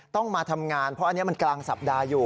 ต้องมาทำงานเพราะอันนี้มันกลางสัปดาห์อยู่